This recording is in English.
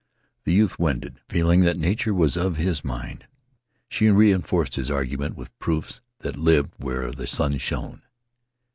The youth wended, feeling that Nature was of his mind. She re enforced his argument with proofs that lived where the sun shone.